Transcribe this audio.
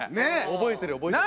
覚えてる覚えてる。